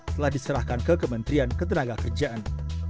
telah diserahkan ke kementerian ketenagakerjaan